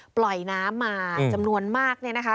ปล่อยน้ำมาจำนวนมากเนี่ยนะคะ